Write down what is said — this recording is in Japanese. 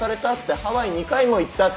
ハワイ２回も行ったって！